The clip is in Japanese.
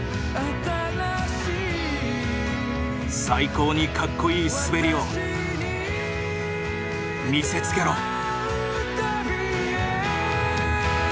最高にカッコいい滑りをみせつけろ。